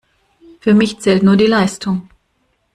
Für mich zählt nur die Leistung.